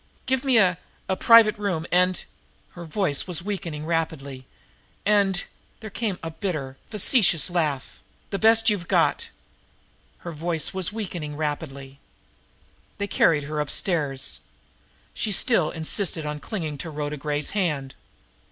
Give me a a private room, and" her voice was weakening rapidly "and" there came a bitter, facetious laugh "the best you've got." Her voice was weakening rapidly. They carried her upstairs. She still insisted on clinging to Rhoda Gray's hand.